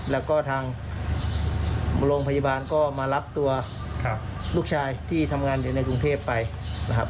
แล้วก็ทางโรงพยาบาลก็มารับตัวลูกชายที่ทำงานอยู่ในกรุงเทพไปนะครับ